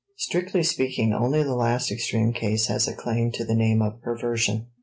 Strictly speaking only the last extreme case has a claim to the name of perversion.